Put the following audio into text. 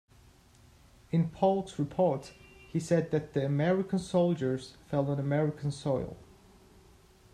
In Polk's report, he said that the American soldiers fell on American soil.